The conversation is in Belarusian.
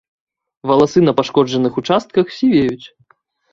Валасы на пашкоджаных участках сівеюць.